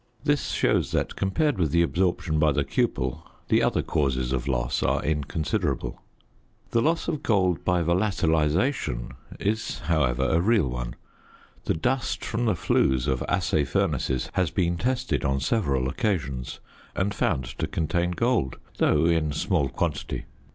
This shows that, compared with the absorption by the cupel, the other causes of loss are inconsiderable. The loss of gold by volatilisation is, however, a real one. The dust from the flues of assay furnaces has been tested on several occasions and found to contain gold, though in small quantity.